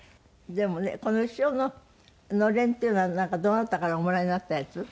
でもねこの後ろの暖簾っていうのはどなたからおもらいになったやつ？